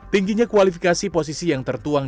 tingginya kualifikasi posisi yang tertuang